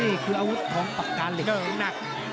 นี่คืออาวุธท้องปากกาเหล็ก